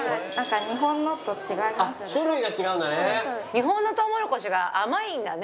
日本のトウモロコシが甘いんだね